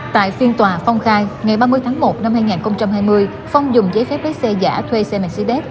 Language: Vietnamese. tại phiên tòa phong khai ngày ba mươi tháng một năm hai nghìn hai mươi phong dùng giấy phép lái xe giả thuê xe mercedes